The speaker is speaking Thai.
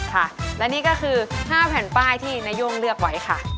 ค่ะและนี่ก็คือ๕แผ่นป้ายที่นาย่งเลือกไว้ค่ะ